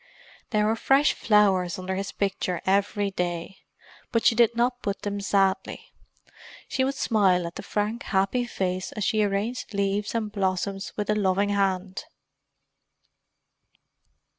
There were fresh flowers under his picture every day, but she did not put them sadly. She would smile at the frank happy face as she arranged leaves and blossoms with a loving hand.